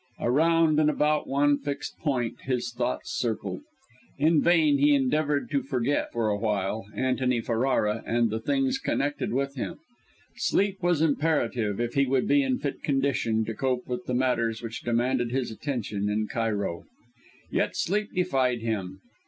Around and about one fixed point his thoughts circled; in vain he endeavoured to forget, for a while, Antony Ferrara and the things connected with him. Sleep was imperative, if he would be in fit condition to cope with the matters which demanded his attention in Cairo. Yet sleep defied him.